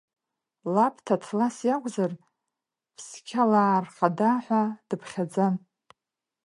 Лаб Ҭаҭлас иакәзар, Ԥсқьалаа рхада ҳәа дыԥхьаӡан.